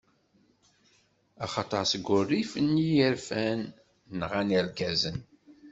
Axaṭer seg urrif-nni i rfan, nɣan irgazen;